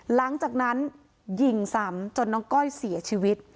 หลังจากนั้นยิงซ้ำจนน้องก้อยเสียชีวิต